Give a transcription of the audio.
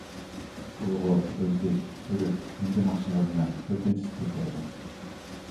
ئۇيغۇر، ئۆزبېك، تۈرك، ھىندى ناخشىلىرىنىڭ كۆپىنچىسى تېپىلىدۇ.